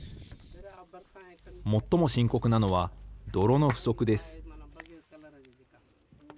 最も深刻なのは泥の不足です。